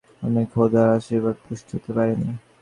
আমি খোদার আশীর্বাদ পুষ্ট হতে পারিনি।